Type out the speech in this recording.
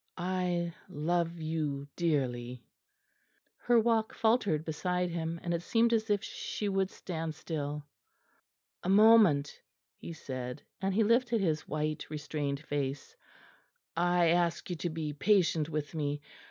I love you dearly." Her walk faltered beside him, and it seemed as if she would stand still. "A moment," he said, and he lifted his white restrained face. "I ask you to be patient with me.